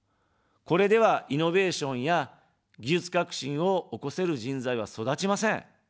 これでは、イノベーションや技術革新を起こせる人材は育ちません。